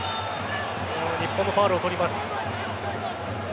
日本のファウルを取ります。